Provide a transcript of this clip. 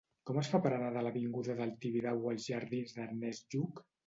Com es fa per anar de l'avinguda del Tibidabo als jardins d'Ernest Lluch?